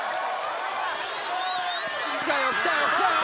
来たよ来たよ来たよ！